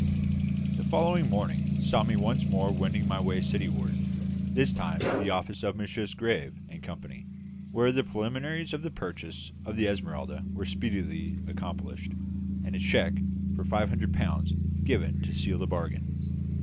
The following morning saw me once more wending my way Cityward, this time to the office of Messrs. Musgrave and Company, where the preliminaries of the purchase of the Esmeralda were speedily accomplished, and a cheque for five hundred pounds given to seal the bargain.